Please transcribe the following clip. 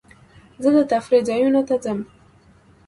زه د تفریح ځایونو ته ځم.